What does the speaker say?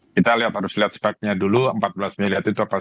kita lihat harus lihat speknya dulu empat belas miliar itu apa